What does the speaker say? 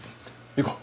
行こう。